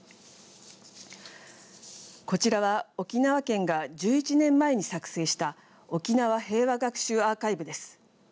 こちらは沖縄県が１１年前に作成した沖縄平和学習アーカイブです。